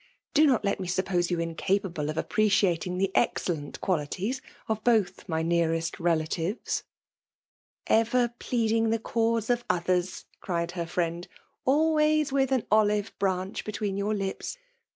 Do not let me suppose yen incapable of iq)prec]ating the excellent qualities of both my nearest relttkives." << Ever pleading the cause of others," eried hear fiocand ;'' always with an olive branch be tween your lips!